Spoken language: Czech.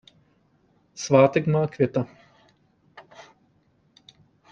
Svátek má Květa.